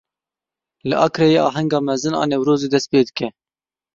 Li Akreyê ahenga mezin a Newrozê dest pê dike.